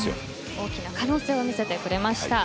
大きな可能性を見せてくれました。